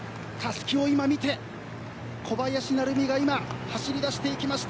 たすきを今見て小林成美が今走り出していきました。